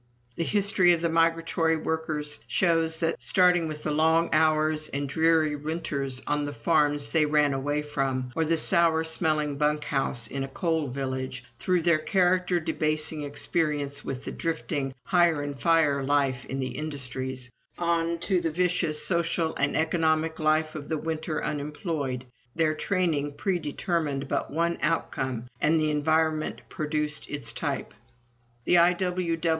The history of the migratory workers shows that, starting with the long hours and dreary winters on the farms they ran away from, or the sour smelling bunk house in a coal village, through their character debasing experience with the drifting 'hire and fire' life in the industries, on to the vicious social and economic life of the winter unemployed, their training predetermined but one outcome, and the environment produced its type. "The I.W.W.